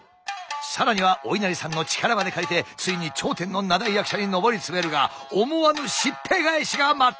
更にはお稲荷さんの力まで借りてついに頂点の名題役者に上り詰めるが思わぬしっぺ返しが待っていた！